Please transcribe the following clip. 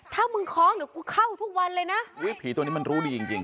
ถ้ามึงค้องเดี๋ยวกูเข้าทุกวันเลยนะพีย์ตัวนี้มันรู้ดีจริง